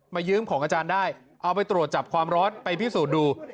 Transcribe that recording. ยืมของอาจารย์ได้เอาไปตรวจจับความร้อนไปพิสูจน์ดู